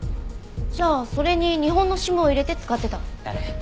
じゃあそれに日本のＳＩＭを入れて使ってた？だね。